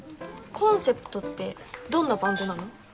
コンセプトってどんなバンドなの？